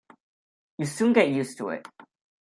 You soon get used to it.